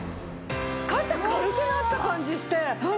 肩軽くなった感じして。